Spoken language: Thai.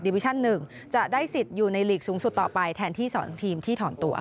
วิชั่น๑จะได้สิทธิ์อยู่ในหลีกสูงสุดต่อไปแทนที่สอนทีมที่ถอนตัว